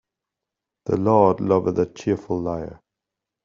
The Lord loveth a cheerful liar.